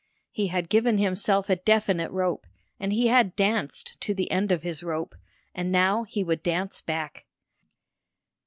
He had given himself a definite rope, and he had danced to the end of his rope, and now he would dance back.